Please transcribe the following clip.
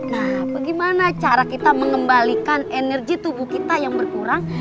nah bagaimana cara kita mengembalikan energi tubuh kita yang berkurang